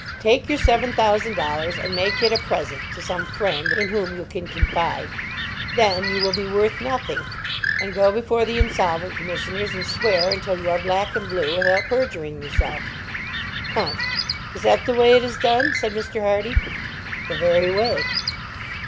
Take your seven thousand dollars, and make it a present to some friend, in whom you can confide. Then you will be worth nothing, and go before the insolvent commissioners and swear until you are black and blue, without perjuring yourself." "Humph! is that the way it is done?" said Mr. Hardy. "The very way."